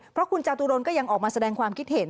เพราะคุณจตุรนก็ยังออกมาแสดงความคิดเห็น